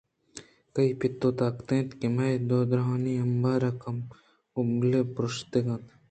کئی پت ءِ طاقت اِنت کہ مئے دارانی امبارءِ کُبلے پرٛوشتگ اَنت